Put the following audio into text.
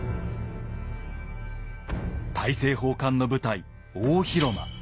大政奉還の舞台大広間。